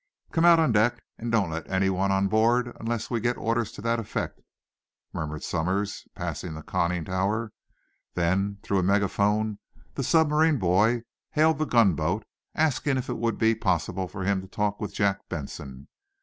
"Come out on deck, and don't let anyone on board unless we get orders to that effect," murmured Somers, passing the conning tower. Then, through a megaphone, the submarine boy hailed the gunboat, asking if it would be possible for him to talk with Jack Benson.